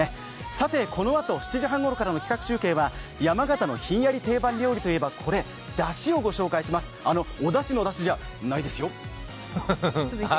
さてこのあと７時半ごろからの企画中継は山形のひんやり定番料理といえばこれ、だしをご紹介します、あのお出汁のだしじゃないですよ。